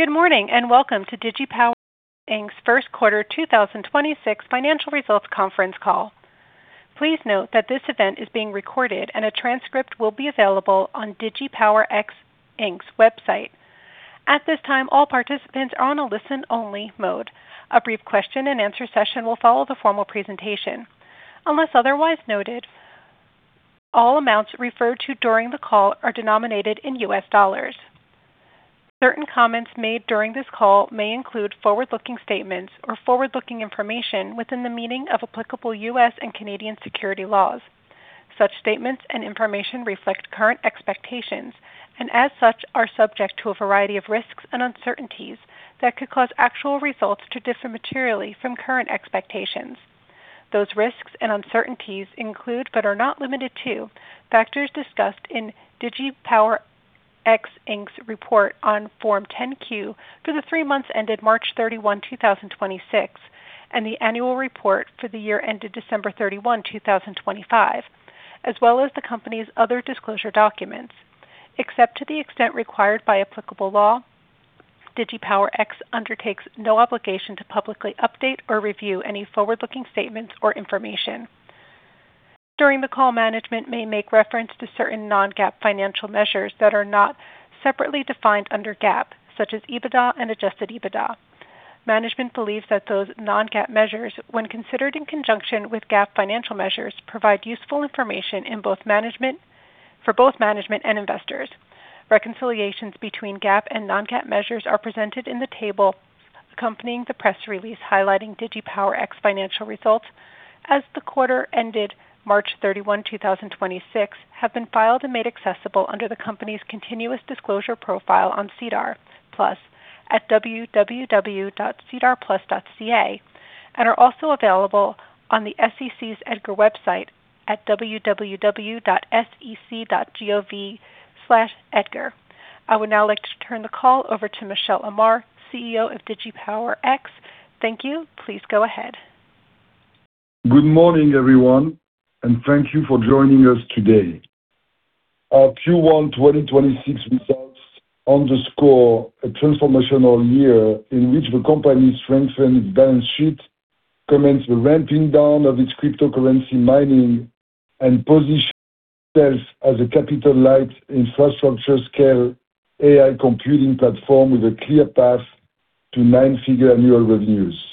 Good morning, and welcome to DigiPower X Inc.'s 1st quarter 2026 financial results conference call. Please note that this event is being recorded and a transcript will be available on DigiPower X inc.'s website. At this time, all participants are on a listen-only mode. A brief question-and-answer session will follow the formal presentation. Unless otherwise noted, all amounts referred to during the call are denominated in U.S. dollars. Certain comments made during this call may include forward-looking statements or forward-looking information within the meaning of applicable U.S. and Canadian security laws. Such statements and information reflect current expectations and, as such, are subject to a variety of risks and uncertainties that could cause actual results to differ materially from current expectations. Those risks and uncertainties include, but are not limited to, factors discussed in DigiPower X inc.'s report on Form 10-Q for the 3 months ended March 31, 2026, and the annual report for the year ended December 31, 2025, as well as the company's other disclosure documents. Except to the extent required by applicable law, DigiPower X undertakes no obligation to publicly update or review any forward-looking statements or information. During the call, management may make reference to certain non-GAAP financial measures that are not separately defined under GAAP, such as EBITDA and adjusted EBITDA. Management believes that those non-GAAP measures, when considered in conjunction with GAAP financial measures, provide useful information for both management and investors. Reconciliations between GAAP and non-GAAP measures are presented in the table accompanying the press release highlighting DigiPower X financial results as the quarter ended March 31, 2026 have been filed and made accessible under the company's continuous disclosure profile on SEDAR+ at www.sedarplus.ca and are also available on the SEC's EDGAR website at www.sec.gov/edgar. I would now like to turn the call over to Michel Amar, CEO of DigiPowerX. Thank you. Please go ahead. Good morning, everyone, and thank you for joining us today. Our Q1 2026 results underscore a transformational year in which the company strengthened its balance sheet, commenced the ramping down of its cryptocurrency mining, and positioned itself as a capital-light infrastructure scale AI computing platform with a clear path to nine-figure annual revenues.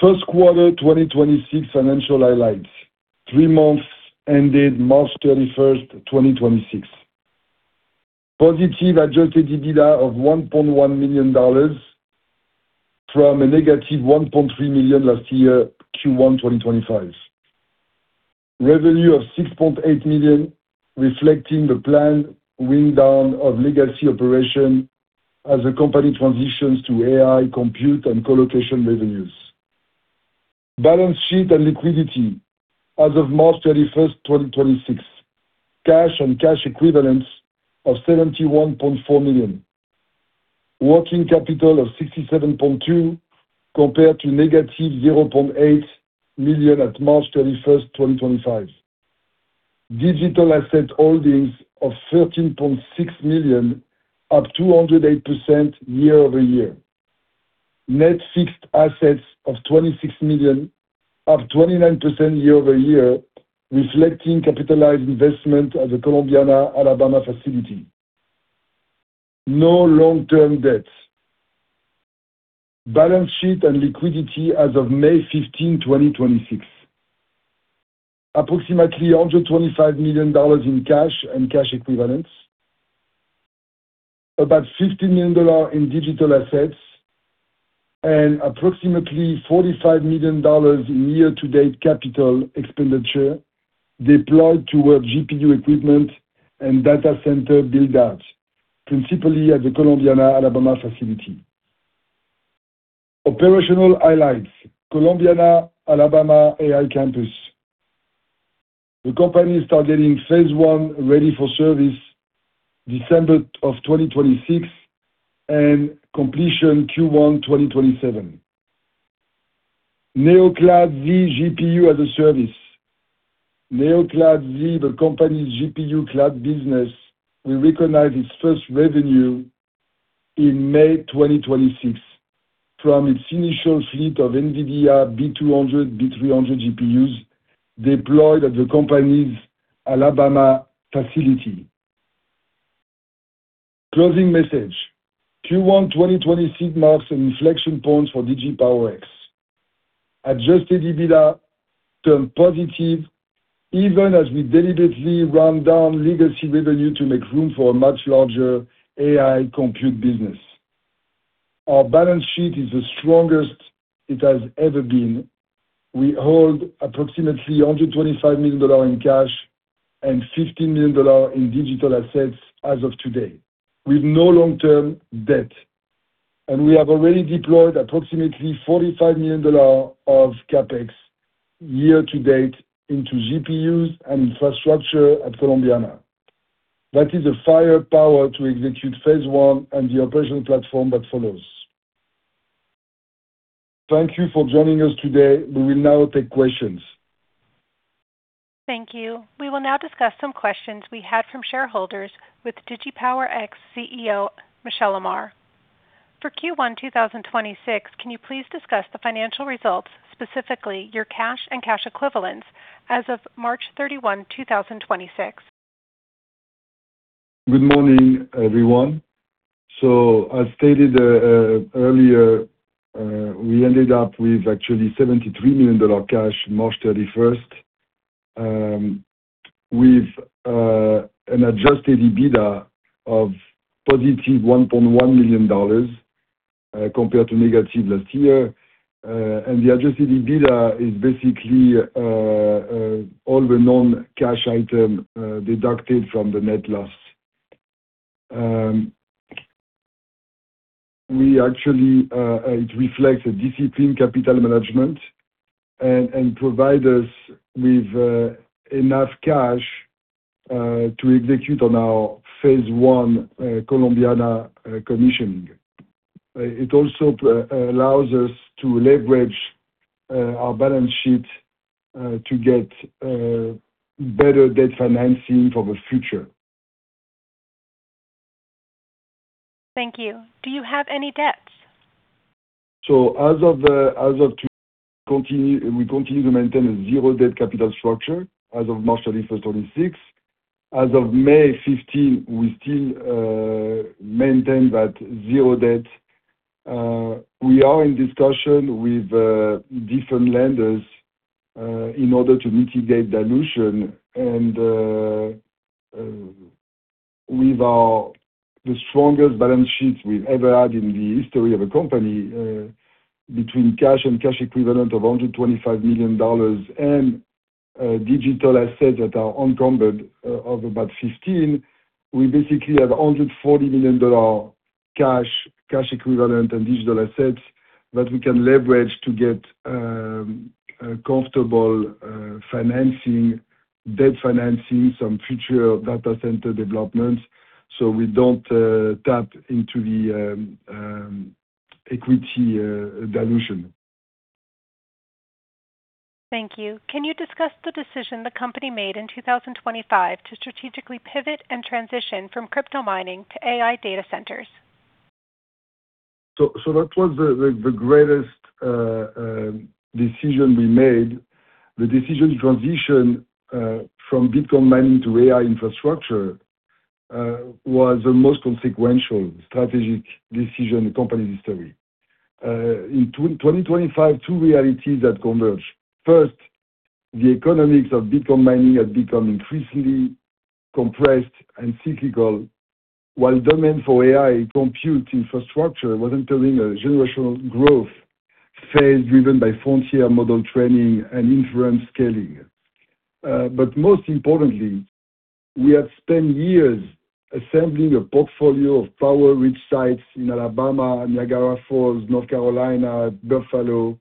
First quarter 2026 financial highlights. Three months ended March 31, 2026. Positive adjusted EBITDA of $1.1 million from a negative $1.3 million last year, Q1 2025. Revenue of $6.8 million, reflecting the planned wind down of legacy operation as the company transitions to AI compute and colocation revenues. Balance sheet and liquidity as of March 31, 2026. Cash and cash equivalents of $71.4 million. Working capital of $67.2 million compared to negative $0.8 million at March 31, 2025. Digital asset holdings of $13.6 million, up 208% year-over-year. Net fixed assets of $26 million, up 29% year-over-year, reflecting capitalized investment at the Columbiana, Alabama facility. No long-term debt. Balance sheet and liquidity as of May 15, 2026. Approximately under $25 million in cash and cash equivalents, about $15 million in digital assets, and approximately $45 million in year-to-date capital expenditure deployed toward GPU equipment and data center build-out, principally at the Columbiana, Alabama facility. Operational highlights. Columbiana, Alabama AI Campus. The company is targeting phase 1 ready for service December of 2026 and completion Q1, 2027. NeoCloudz GPU as a service. NeoCloudz, the company's GPU cloud business, will recognize its first revenue in May 2026 from its initial fleet of NVIDIA B200, B300 GPUs deployed at the company's Alabama facility. Closing message. Q1 2026 marks an inflection point for DigiPower X. adjusted EBITDA turned positive even as we deliberately ramped down legacy revenue to make room for a much larger AI compute business. Our balance sheet is the strongest it has ever been. We hold approximately $125 million in cash and $15 million in digital assets as of today, with no long-term debt. We have already deployed approximately $45 million of CapEx year-to-date into GPUs and infrastructure at Columbiana. That is the firepower to execute phase one and the operational platform that follows. Thank you for joining us today. We will now take questions. Thank you. We will now discuss some questions we had from shareholders with DigiPower X's CEO, Michel Amar. For Q1 2026, can you please discuss the financial results, specifically your cash and cash equivalents as of March 31, 2026? Good morning, everyone. As stated earlier, we ended up with actually $73 million cash March 31st. With an adjusted EBITDA of positive $1.1 million, compared to negative last year. The adjusted EBITDA is basically all the non-cash item deducted from the net loss. It reflects a disciplined capital management and provide us with enough cash to execute on our phase 1 Columbiana commissioning. It also allows us to leverage our balance sheet to get better debt financing for the future. Thank you. Do you have any debts? As of March 31st, 2026, we continue to maintain a zero debt capital structure. As of May 15, we still maintain that zero debt. We are in discussion with different lenders in order to mitigate dilution. With the strongest balance sheets we've ever had in the history of the company, between cash and cash equivalent of $125 million and digital assets that are unencumbered of about $15 million. We basically have $140 million cash equivalent, and digital assets that we can leverage to get a comfortable debt financing some future data center developments, so we don't tap into the equity dilution. Thank you. Can you discuss the decision the company made in 2025 to strategically pivot and transition from crypto mining to AI data centers? That was the greatest decision we made. The decision to transition from Bitcoin mining to AI infrastructure was the most consequential strategic decision in company history. In 2025, 2 realities that converged. First, the economics of Bitcoin mining had become increasingly compressed and cyclical, while demand for AI compute infrastructure was entering a generational growth phase driven by frontier model training and inference scaling. Most importantly, we have spent years assembling a portfolio of power-rich sites in Alabama, Niagara Falls, North Carolina, Buffalo,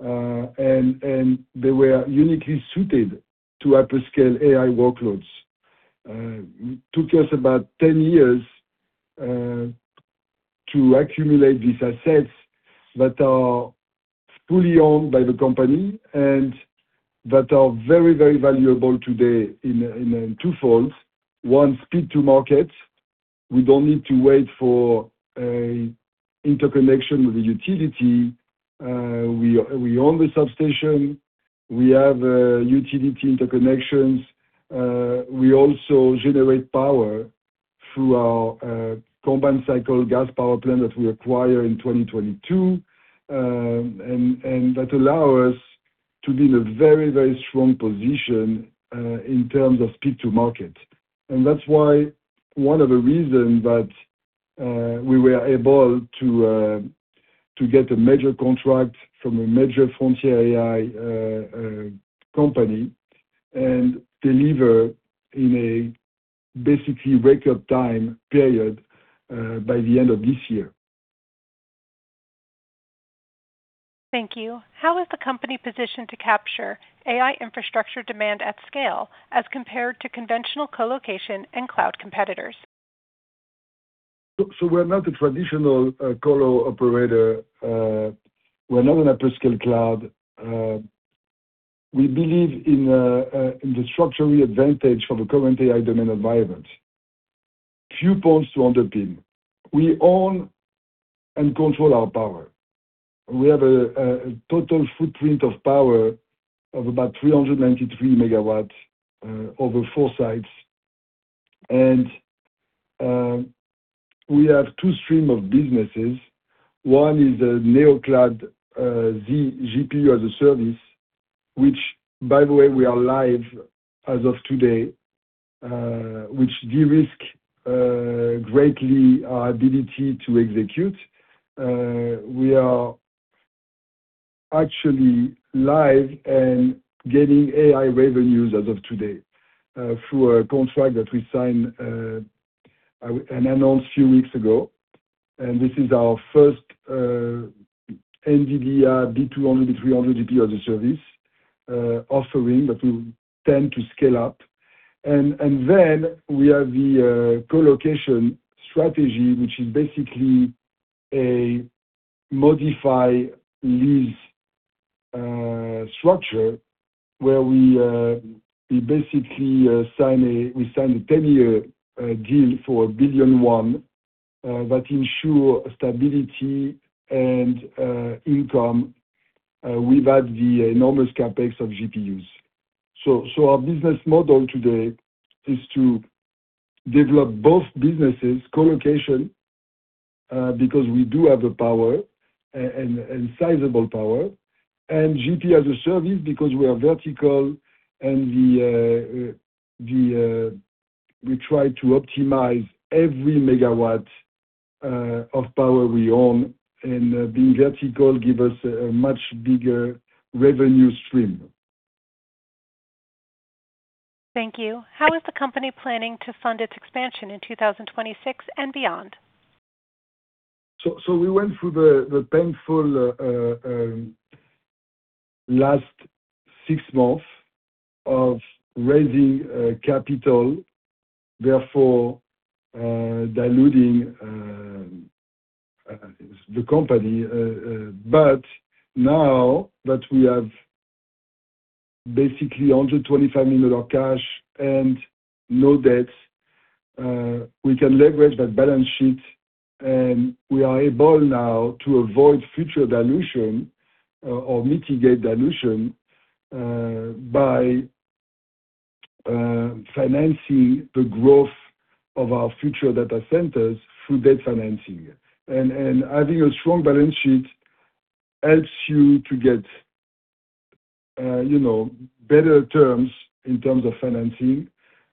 and they were uniquely suited to hyperscale AI workloads. It took us about 10 years to accumulate these assets that are fully owned by the company and that are very, very valuable today in a twofold. 1, speed to market. We don't need to wait for a interconnection with the utility. We, we own the substation. We have utility interconnections. We also generate power through our combined cycle gas power plant that we acquired in 2022. That allow us to be in a very, very strong position in terms of speed to market. That's why one of the reasons that we were able to get a major contract from a major frontier AI company and deliver in a basically record time period by the end of this year. Thank you. How is the company positioned to capture AI infrastructure demand at scale as compared to conventional colocation and cloud competitors? We're not a traditional colo operator. We're not an hyperscale cloud. We believe in the structural advantage for the current AI demand environment. Few points to underpin. We own and control our power. We have a total footprint of power of about 393 MW over 4 sites. We have 2 stream of businesses. 1 is a NeoCloudz GPU as a service, which by the way, we are live as of today, which de-risk greatly our ability to execute. We are actually live and getting AI revenues as of today, through a contract that we signed and announced a few weeks ago. This is our first NVIDIA B200, B300 GPU as a service offering that we intend to scale up. Then we have the colocation strategy, which is basically a modify lease structure where we basically sign a 10-year deal for $1.1 billion that ensure stability and income without the enormous CapEx of GPUs. Our business model today is to develop both businesses colocation, because we do have the power and sizable power, and GPU as a service because we are vertical and the we try to optimize every megawatt of power we own. Being vertical give us a much bigger revenue stream. Thank you. How is the company planning to fund its expansion in 2026 and beyond? We went through the painful last 6 months of raising capital, therefore diluting the company. Now that we have basically under $25 million of cash and no debt, we can leverage that balance sheet, and we are able now to avoid future dilution or mitigate dilution by financing the growth of our future data centers through debt financing. Having a strong balance sheet helps you to get, you know, better terms in terms of financing.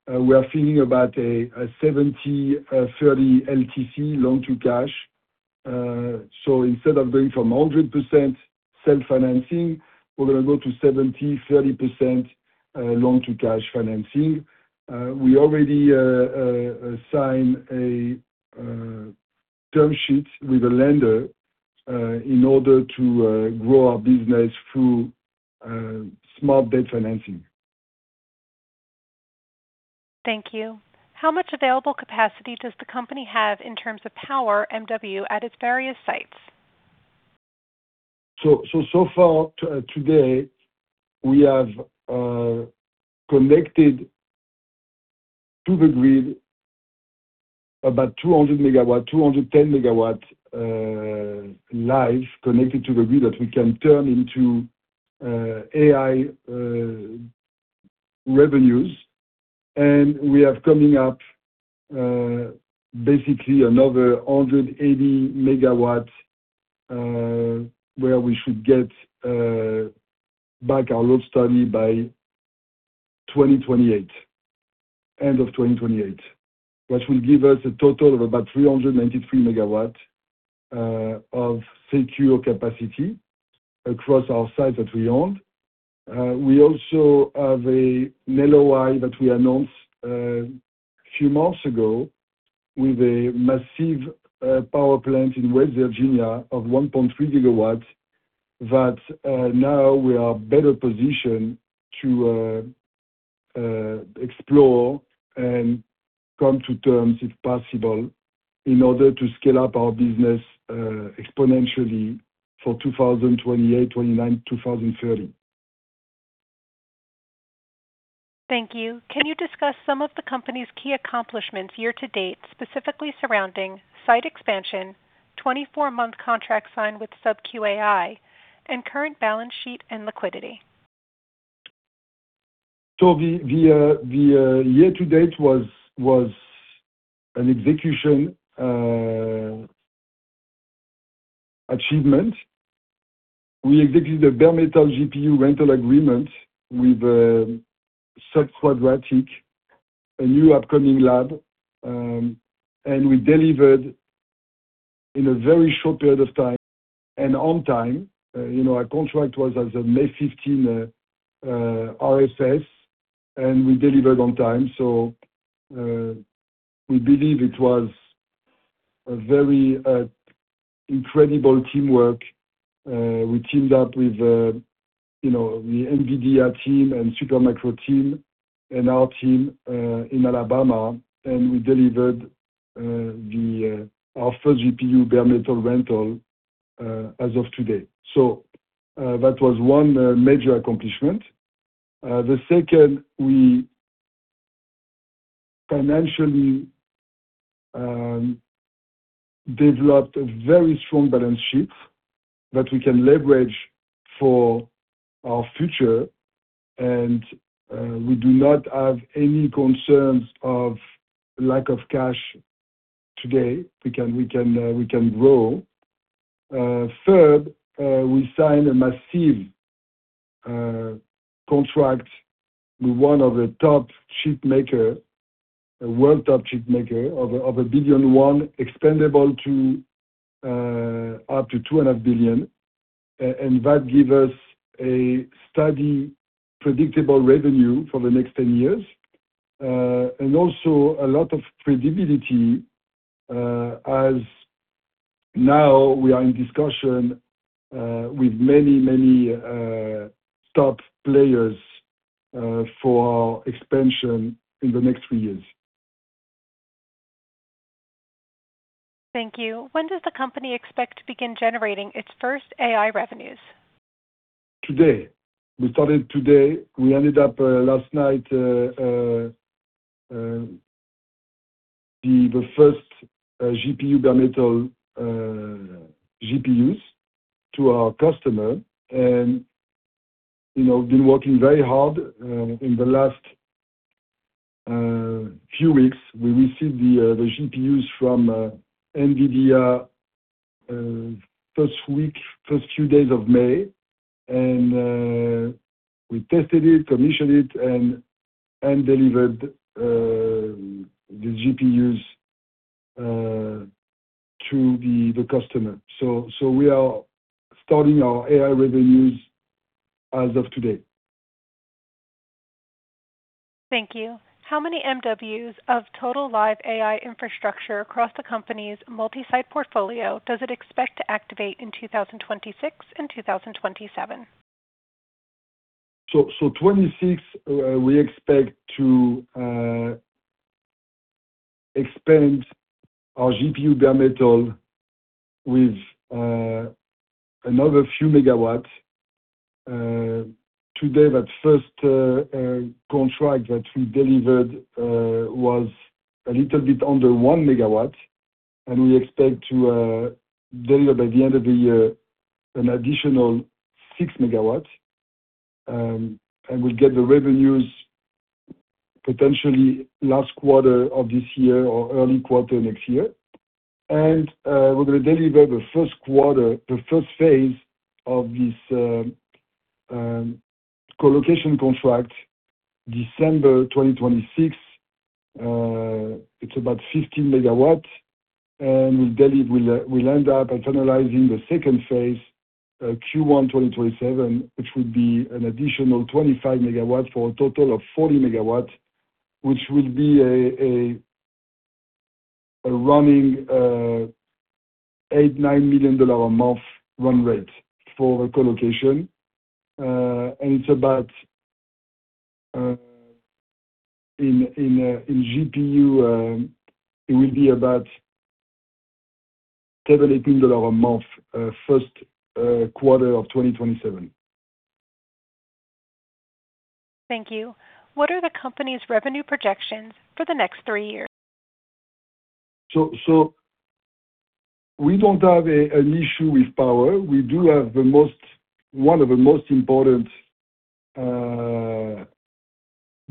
We are thinking about a 70/30 LTV loan to cash. Instead of going from a 100% self-financing, we're gonna go to 70/30% loan to cash financing. We already sign a term sheet with a lender in order to grow our business through smart debt financing. Thank you. How much available capacity does the company have in terms of power MW at its various sites? So far today, we have connected to the grid about 210 MW live connected to the grid that we can turn into AI revenues. We have coming up basically another 180 MW where we should get back our load study by end of 2028. Which will give us a total of about 393 MW of secure capacity across our sites that we own. We also have a LOI that we announced few months ago with a massive power plant in West Virginia of 1.3 GW that now we are better positioned to explore and come to terms, if possible, in order to scale up our business exponentially for 2028, 2029, 2030. Thank you. Can you discuss some of the company's key accomplishments year-to-date, specifically surrounding site expansion, 24-month contract signed with SubQuadratic AI, and current balance sheet and liquidity? The year-to-date was an execution achievement. We executed a bare metal GPU rental agreement with SubQuadratic, a new upcoming lab, and we delivered in a very short period of time and on time. You know, our contract was as of May 15, RFS, and we delivered on time. We believe it was a very incredible teamwork. We teamed up with, you know, the NVIDIA team and Supermicro team and our team in Alabama, and we delivered our first GPU bare metal rental as of today. That was one major accomplishment. The second, we financially developed a very strong balance sheet that we can leverage for our future, and we do not have any concerns of lack of cash today. We can grow. Third, we signed a massive contract with one of the top, a world top chip maker of $1.1 billion expandable up to $2.5 billion. That give us a steady, predictable revenue for the next 10 years. Also a lot of credibility. Now we are in discussion with many top players for expansion in the next 3 years. Thank you. When does the company expect to begin generating its first AI revenues? Today. We started today. We ended up last night, the first GPU bare metal GPUs to our customer. You know, been working very hard in the last few weeks. We received the GPUs from NVIDIA first few days of May. We tested it, commissioned it, and delivered the GPUs to the customer. We are starting our AI revenues as of today. Thank you. How many MW of total live AI infrastructure across the company's multi-site portfolio does it expect to activate in 2026 and 2027? 2026, we expect to expand our GPU bare metal with another few megawatts. Today that first contract that we delivered was a little bit under 1 MW, and we expect to deliver by the end of the year an additional 6 MW. We'll get the revenues potentially last quarter of this year or early quarter next year. We're going to deliver the first phase of this colocation contract December 2026. It's about 15 MW. We'll end up internalizing the second phase, Q1 2027, which would be an additional 25 MG for a total of 40 MW, which will be a running $8 million-$9 million a month run rate for colocation. It's about in GPU, it will be about $7 million-$8 million a month, first quarter of 2027. Thank you. What are the company's revenue projections for the next three years? We don't have a, an issue with power. We do have one of the most important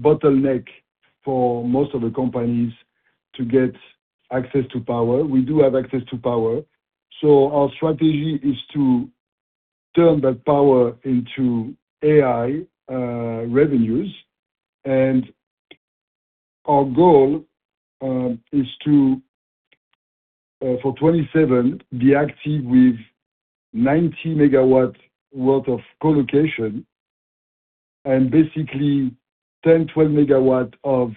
bottleneck for most of the companies to get access to power. We do have access to power. Our strategy is to turn that power into AI revenues. Our goal is to for 2027, be active with 90 MW worth of colocation and basically 10MW, 12 MW of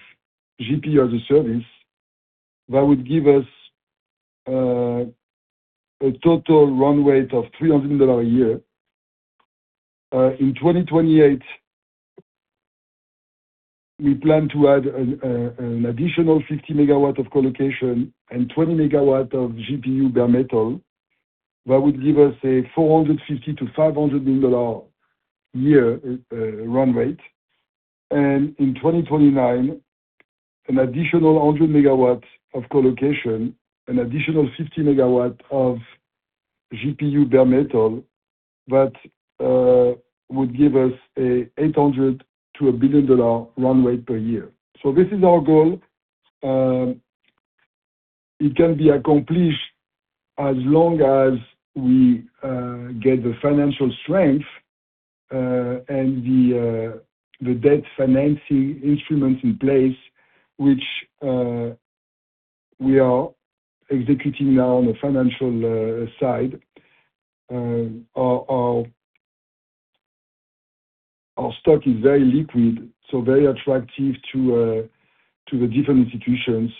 GPU as a service. That would give us a total run rate of $300 million a year. In 2028, we plan to add an additional 50 MW of colocation and 20 MW of GPU bare metal. That would give us a $450 million-$500 million a year run rate. In 2029, an additional 100 MW of colocation, an additional 50 MW of GPU bare metal that would give us a $800 million-$1 billion run rate per year. This is our goal. It can be accomplished as long as we get the financial strength and the debt financing instruments in place, which we are executing now on the financial side. Our stock is very liquid, so very attractive to the different institutions.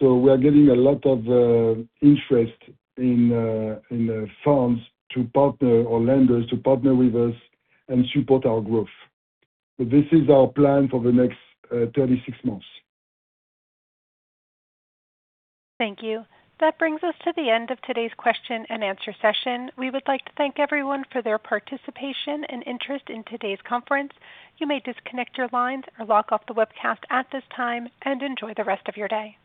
We are getting a lot of interest in firms to partner or lenders to partner with us and support our growth. This is our plan for the next 36 months. Thank you. That brings us to the end of today's question and answer session. We would like to thank everyone for their participation and interest in today's conference. You may disconnect your lines or log off the webcast at this time, and enjoy the rest of your day.